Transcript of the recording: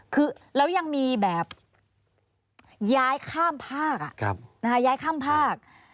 คือแล้วยังมีแบบย้ายข้ามภาคย้ายข้ามภาค